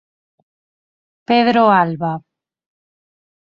Pedro Alba.